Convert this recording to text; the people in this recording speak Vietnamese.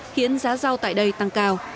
khiến giá rau tại đây tăng cao